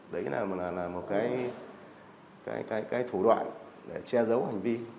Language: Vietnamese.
đấy là một cái thủ đoạn để che giấu hành vi